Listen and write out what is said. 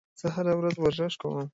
زه هره ورځ ورزش کوم